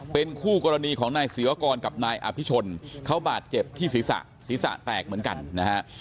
เป็นคู่กรณีของนายศิวากรกับนายอภิชนเขาบาดเจ็บที่ศีรษะศีรษะแตกเหมือนกันนะฮะ